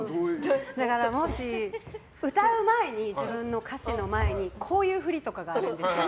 もし、歌う前に自分の歌詞の前にこういう振りとかがあるんですよ。